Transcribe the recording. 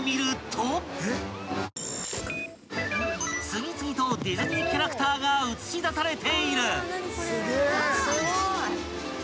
［次々とディズニーキャラクターが映し出されている］